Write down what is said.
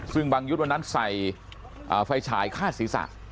ซึ่งบังยุทธ์วันนั้นใส่ไฟฉายฆ่าศีรษะ